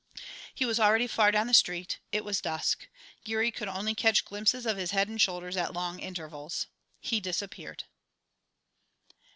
He was already far down the street; it was dusk; Geary could only catch glimpses of his head and shoulders at long intervals. He disappeared.